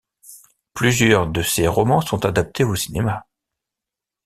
Plusieurs de ses romans sont adaptés au cinéma.